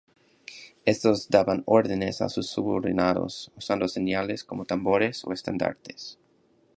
Estos daban órdenes a sus subordinados usando señales con tambores o estandartes.